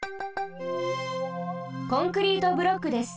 コンクリートブロックです。